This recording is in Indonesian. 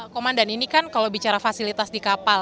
komandan ini kan kalau bicara fasilitas di kapal